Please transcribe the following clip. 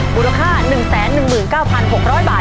มูลค่า๑๑๙๖๐๐บาท